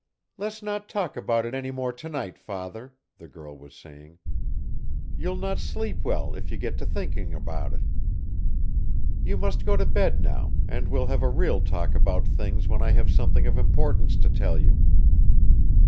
"Let's not talk about it any more to night, father," the girl was saying. "You'll not sleep well, if you get to thinking about it. You must go to bed now, and we'll have a real talk about things when I have something of importance to tell you.